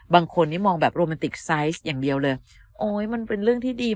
บางคนนี้มองแบบโรแมนติกไซส์อย่างเดียวเลยโอ๊ยมันเป็นเรื่องที่ดี